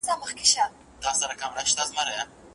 املا د اورېدو او کتني ترمنځ توازن رامنځته کوي.